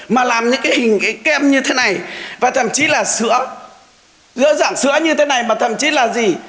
mà làm những cái hình cái kem như thế này và thậm chí là sữa giữa dạng sữa như thế này mà thậm chí là gì